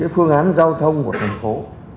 phương án giao thông của thành phố